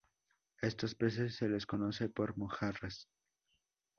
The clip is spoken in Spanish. A estos peces se los conoce por mojarras.